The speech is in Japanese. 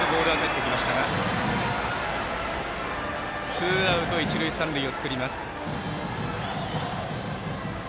ツーアウト、一塁三塁を作ります。